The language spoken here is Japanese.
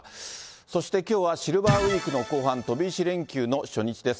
そしてきょうはシルバーウイークの後半、飛び石連休の初日です。